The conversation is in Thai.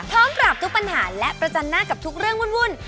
พร้อมปราบทุกปัญหาและประจันหน้ากับทุกเรื่องวุ่น